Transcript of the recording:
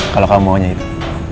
kalau kamu maunya gitu